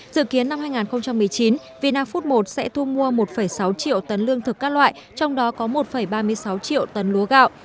dự kiến năm hai nghìn một mươi chín vina food một sẽ thu mua một sáu triệu tấn lương thực các loại trong đó có một ba mươi sáu triệu tấn lúa gạo